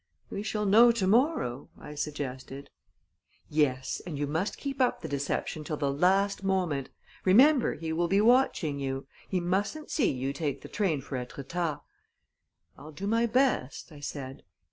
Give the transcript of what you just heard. "We shall know to morrow," I suggested. "Yes and you must keep up the deception till the last moment. Remember, he will be watching you. He mustn't see you take the train for Etretat." "I'll do my best," I said.